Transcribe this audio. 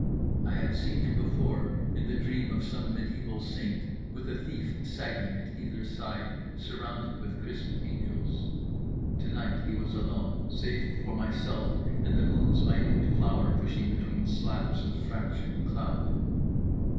I had seen him before in the dream of some mediaeval saint, with a thief sagging at either side, surrounded with crisp angels. Tonight he was alone; save for myself, and the moon's minute flower pushing between slabs of fractured cloud.